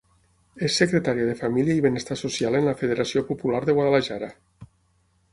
És secretària de família i benestar social en la federació popular de Guadalajara.